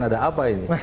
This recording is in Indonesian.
ada apa ini